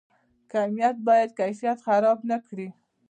کمیت باید کیفیت خراب نکړي؟